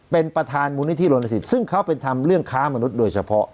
เป็นประธานมูลนิธิรณสิทธิซึ่งเขาเป็นทำเรื่องค้ามนุษย์โดยเฉพาะ